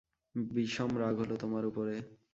বিষম রাগ হল তোমার উপরে।